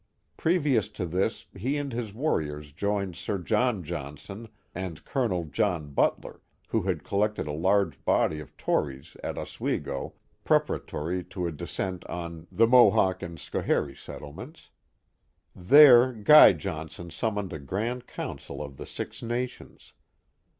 Previous to this he and his warriors joined Sir John Johnson and Colonel John Butler, who had collected a large body of Tories at Oswego preparatory to a descent on The Joseph Brant of Romance and of Fact 265 the Mohawk and Schoharie settlements. There Guy Johnson summoned a grand council of the Six Nations.